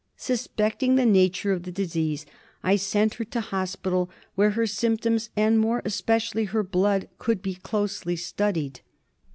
Suspecting the nature of the disease, I sent her to hospital, where her symptoms and, more especially, her blood could be closely studied.